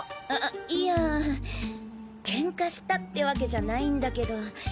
あいやケンカしたってわけじゃないんだけど。